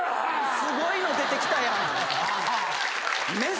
すごいの出てきたやんメス